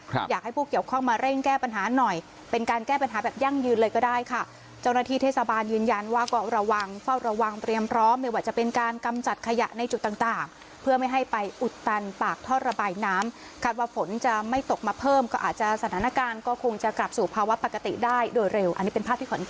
อยากให้ผู้เกี่ยวข้องมาเร่งแก้ปัญหาหน่อยเป็นการแก้ปัญหาแบบยั่งยืนเลยก็ได้ค่ะเจ้าหน้าที่เทศบาลยืนยันว่าก็ระวังเฝ้าระวังเตรียมพร้อมไม่ว่าจะเป็นการกำจัดขยะในจุดต่างต่างเพื่อไม่ให้ไปอุดตันปากท่อระบายน้ำคาดว่าฝนจะไม่ตกมาเพิ่มก็อาจจะสถานการณ์ก็คงจะกลับสู่ภาวะปกติได้โดยเร็วอันนี้เป็นภาพที่ขอนแก่น